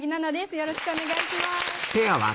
よろしくお願いします。